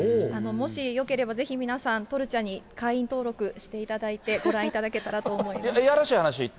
もしよかったら、皆さん、トルチャに会員登録していただいて、ご覧いただけたらと思います。